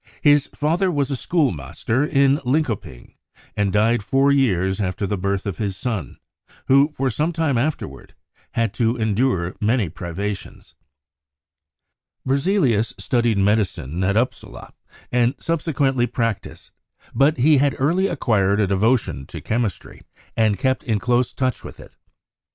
His father was a schoolmaster in Linkoping, and died four years after the birth of his son, who for some time afterward had to endure many privations. Berzelius studied medicine at Upsala, and subsequently practiced, but he had early acquired a devotion to chem istry and kept in close touch with it.